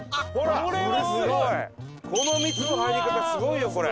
この蜜の入り方すごいよこれ。